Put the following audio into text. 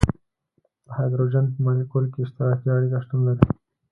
د هایدروجن په مالیکول کې اشتراکي اړیکه شتون لري.